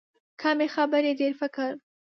کمې خبرې، ډېر فکر.